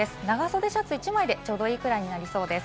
長袖シャツ１枚でちょうど良くなりそうです。